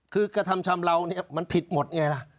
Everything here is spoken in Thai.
คือกระทำชำเลาเนี่ยมันผิดหมดไงล่ะ